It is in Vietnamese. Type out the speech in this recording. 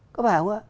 có phải không ạ